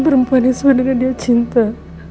perempuan itu sebenarnya dia cinta